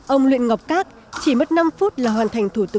ông luyện ngọc các chỉ mất năm phút là hoàn thành thủ tục